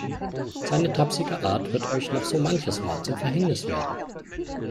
Seine tapsige Art wird euch noch so manches Mal zum Verhängnis werden.